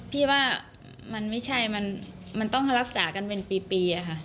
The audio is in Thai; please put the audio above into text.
พี่ว่ามันไม่ใช่มันต้องรักษากันเป็นปีอะค่ะ